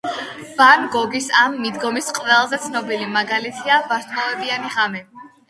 ვან გოგის ამ მიდგომის ყველაზე ცნობილი მაგალითია "ვარსკვლავებიანი ღამე"